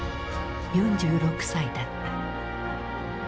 ４６歳だった。